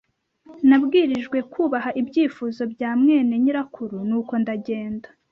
Nabwirijwe kubaha ibyifuzo bya mwene nyirakuru, nuko ndagenda.